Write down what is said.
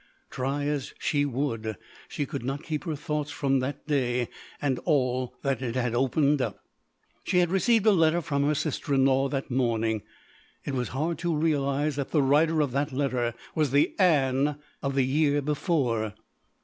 Try as she would she could not keep her thoughts from that day and all that it had opened up. She had received a letter from her sister in law that morning. It was hard to realize that the writer of that letter was the Ann of the year before.